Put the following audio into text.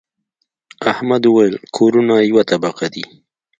احمد وويل: کورونه یوه طبقه دي.